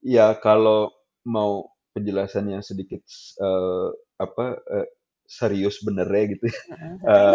ya kalau mau penjelasannya sedikit serius bener ya gitu ya